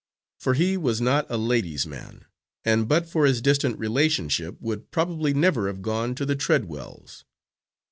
For he was not a lady's man, and but for his distant relationship would probably never have gone to the Treadwells'.